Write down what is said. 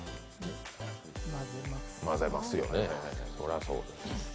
混ぜますよね、そらそうです。